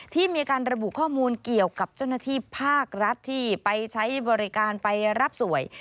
ที่มีการระบุข้อมูลเกี่ยวกับเจ้าหน้าที่ภาครัฐที่ไปใช้บริการไปรับสวย